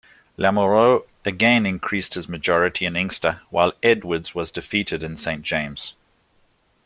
Lamoureux again increased his majority in Inkster, while Edwards was defeated in Saint James.